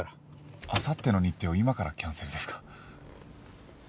あさっての日程を今からキャンセルですか？